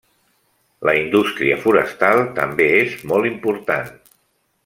La indústria forestal també és molt important.